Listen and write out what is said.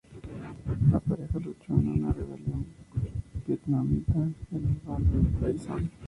La pareja luchó en una rebelión vietnamita en el bando de Tay-son.